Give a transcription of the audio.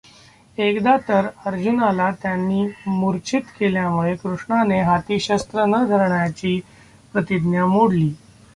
एकदा तर अर्जुनाला त्यांनी मृर्च्छित केल्यामुळे कृष्णाने हाती शस्त्र न धरण्याची प्रतिज्ञा मोडली.